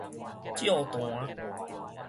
醮壇